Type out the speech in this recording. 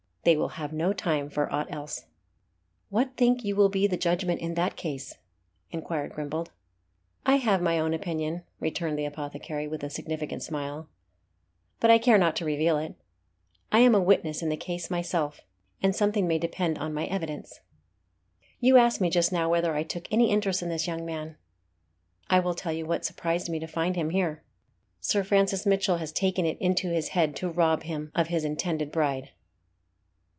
They will have no time for aught else." "What think you will be the judgment in that case?" inquired Grimbald. "I have my own opinion," returned the apothecary, with a significant smile; "but I care not to reveal it. I am a witness in the case myself, and something may depend on my evidence. You asked me just now whether I took any interest in this young man. I will tell you what surprised me to find him here. Sir Francis Mitchell has taken it into his head to rob him of his intended bride."